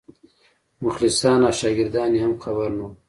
مخلصان او شاګردان یې هم خبر نه وو.